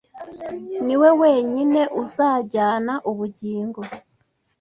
ni we wenyine uzajyana ubugingo